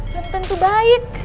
ya tentu baik